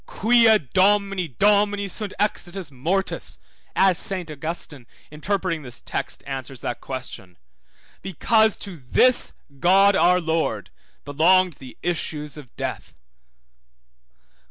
Quia Domini Domini sunt exitus mortis (as Saint Augustine, interpreting this text, answers that question), 2626 De Civitate Dei, lib. 17. because to this God our Lord belonged the issues of death.